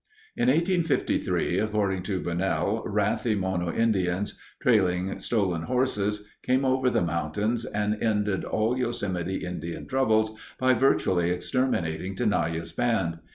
In 1853, according to Bunnell, wrathy Mono Indians, trailing stolen horses, came over the mountains and ended all Yosemite Indian troubles by virtually exterminating Tenaya's band.